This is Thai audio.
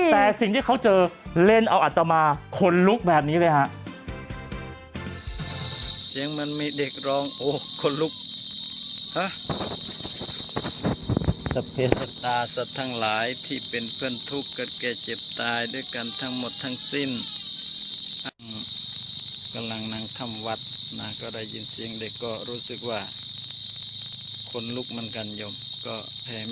แต่สิ่งที่เขาเจอเล่นเอาอัตมาคนลุกแบบนี้เลยฮะ